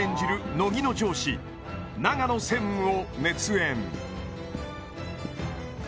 乃木の上司長野専務を熱演